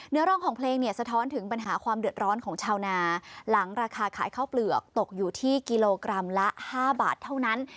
เนื้อร้องของเพลงเนี่ยสะท้อนถึงปัญหาความเดือดร้อนของชาวนาหลังราคาขายข้าวเปลือกตกอยู่ที่กิโลกรัมละ๕บาทเท่านั้น